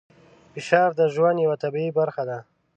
فشار د ژوند یوه طبیعي برخه ده.